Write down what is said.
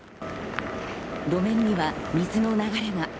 路面には水の流れが。